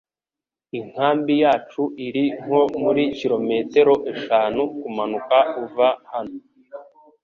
Inkambi yacu iri nko muri kilometero eshanu kumanuka uva hano